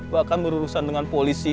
bahkan berurusan dengan polisi